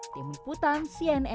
tim liputan soekarno hatta